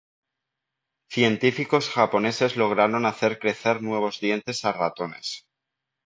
Científicos japoneses lograron hacer crecer nuevos dientes a ratones.